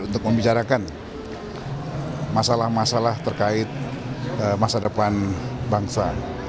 untuk membicarakan masalah masalah terkait masa depan bangsa